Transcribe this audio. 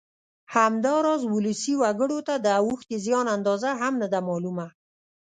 همداراز ولسي وګړو ته د اوښتې زیان اندازه هم نه ده معلومه